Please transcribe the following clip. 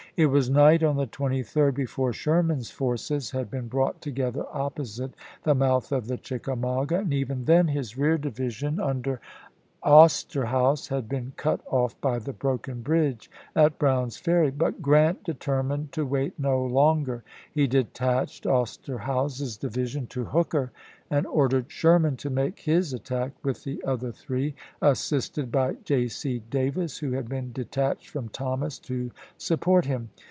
Nov., 1863. It was night on the 23d before Sherman's forces had been brought together opposite the mouth of the Chickamauga, and even then his rear division CHATTANOOGA 139 under Osterhaus had been cut off by the broken chap. v. bridge at Brown's Ferry; but Grrant determined to wait no longer. He detached Osterhaus's divi sion to Hooker, and ordered Sherman to make his attack with the other three, assisted by J. C. Davis, who had been detached from Thomas to support him.